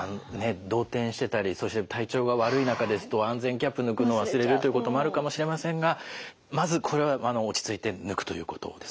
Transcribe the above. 動転してたりそして体調が悪い中で安全キャップ抜くのを忘れるということもあるかもしれませんがまずこれ落ち着いて抜くということですね。